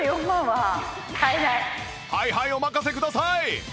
はいはいお任せください！